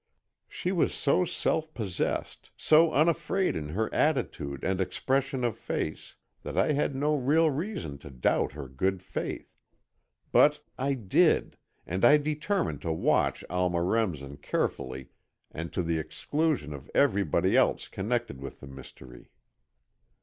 She was so self possessed, so unafraid in her attitude and expression of face, that I had no real reason to doubt her good faith. But I did, and I determined to watch Alma Remsen carefully and to the exclusion of everybody else connected with the mystery.